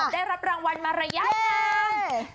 ได้รับรางวัลมารยาทนั้ง